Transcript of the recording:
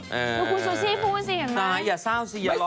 คุณซูซี่พูดสิอย่างนั้น